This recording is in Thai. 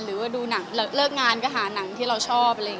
หรือว่าเลิกงานก็หาหนังที่เราชอบ